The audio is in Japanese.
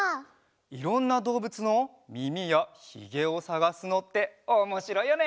いろんなどうぶつのみみやひげをさがすのっておもしろいよね！